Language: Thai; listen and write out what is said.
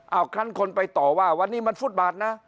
เอาคลั้นคนไปต่อว่าวันนี้มันฟุตบาทนะ